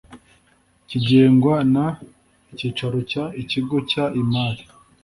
kigengwa n icyicaro cy ikigo cy imari